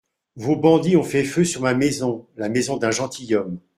Vos bandits ont fait feu sur ma maison, la maison d'un gentilhomme.